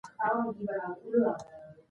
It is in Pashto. هره ښځه چې پوهاوی ولري، ناسم دودونه نه مني.